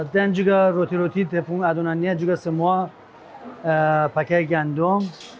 dan juga roti roti tepung adonannya juga semua pakai gandum